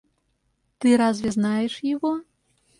Ты разве знаешь его?